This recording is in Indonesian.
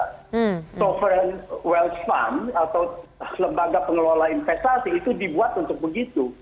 sovereign wealth farm atau lembaga pengelola investasi itu dibuat untuk begitu